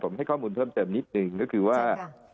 ผมให้ข้อมูลเพิ่มเติมนิดนึงก็คือว่า